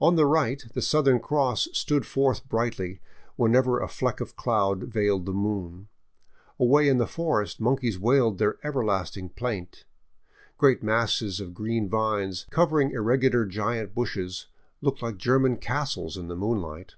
On the right the Southern Cross stood forth brightly whenever a fleck of cloud veiled the moon. Away in the forest monkeys wailed their ever lasting plaint. Great masses of green vines, covering irregular giant tushes, looked like German castles in the moonlight.